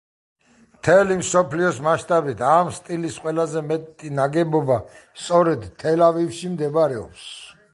მთელი მსოფლიოს მასშტაბით, ამ სტილის ყველაზე მეტი ნაგებობა სწორედ თელ-ავივში მდებარეობს.